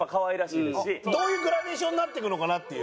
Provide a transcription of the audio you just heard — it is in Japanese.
どういうグラデーションになっていくのかなっていう。